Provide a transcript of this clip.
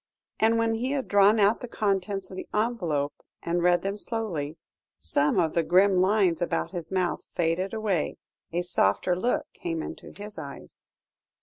And when he had drawn out the contents of the envelope, and read them slowly, some of the grim lines about his mouth faded away, a softer look came into his eyes.